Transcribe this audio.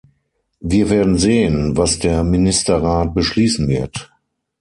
Wir werden sehen, was der Ministerrat beschließen wird.